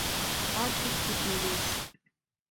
Artık gitmeliyiz.